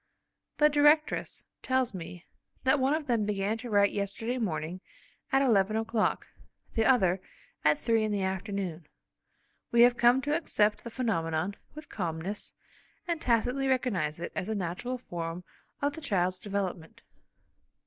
The directress tells me that one of them began to write yesterday morning at eleven o'clock, the other, at three in the afternoon. We have come to accept the phenomenon with calmness, and tacitly recognise it as a natural form of the child's development.